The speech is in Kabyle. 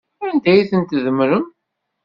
Anda ay ten-tdemmrem?